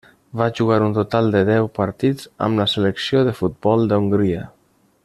Va jugar un total de deu partits amb la selecció de futbol d'Hongria.